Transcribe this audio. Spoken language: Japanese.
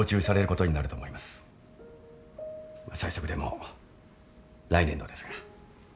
最速でも来年度ですが。